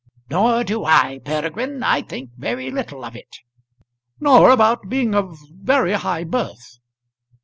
"Nor do I, Peregrine; I think very little of it." "Nor about being of very high birth."